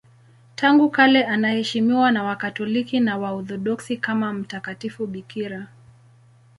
Tangu kale anaheshimiwa na Wakatoliki na Waorthodoksi kama mtakatifu bikira.